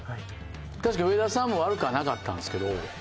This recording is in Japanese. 確かに上田さんも悪くはなかったんですけど。